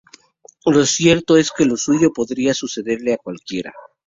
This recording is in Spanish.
Lo cierto es que lo suyo podría sucederle a cualquiera.